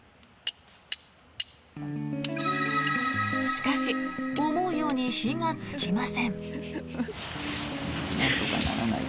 しかし思うように火がつきません。